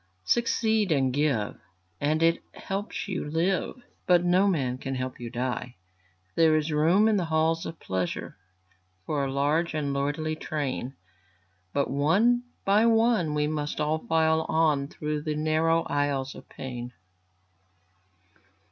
Succeed and give, and it helps you live, But no man can help you die. There is room in the halls of pleasure For a large and lordly train, But one by one we must all file on Through the narrow aisles of pain.